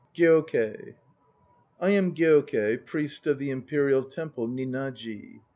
GYOKEI. I am Gyokei, priest of the imperial temple Ninnaji.